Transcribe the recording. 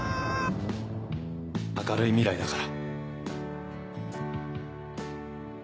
明るい未来だから。